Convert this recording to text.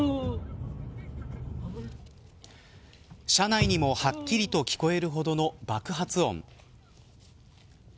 車内にもはっきりと聞こえるほどの爆発音。